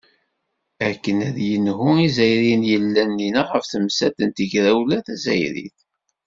Akken ad yenhu Izzayriyen yellan dinna ɣef temsalt n tegrawla tazzayrit.